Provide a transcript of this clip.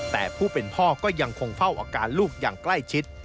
แต่ผู้เป็นพ่อก็ยังคงเฝ้าอาการลูกอย่างใกล้ชิด